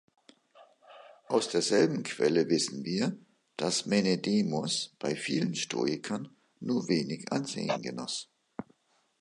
Aus derselben Quelle wissen wir, dass Menedemos bei vielen Stoikern nur wenig Ansehen genoss.